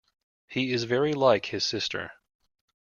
He is very like his sister.